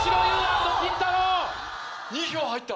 ２票入った。